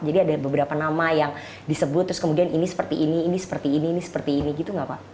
jadi ada beberapa nama yang disebut terus kemudian ini seperti ini ini seperti ini ini seperti ini gitu nggak pak